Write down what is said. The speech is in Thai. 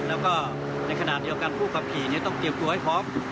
แล้วก็ในขณะที่เอาการผู้ขับขี่เนี้ยต้องเกี่ยวกับตัวให้พร้อม